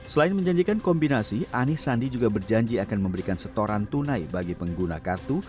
selain menjanjikan kombinasi anies sandi juga berjanji akan memberikan setoran tunai bagi pengguna kartu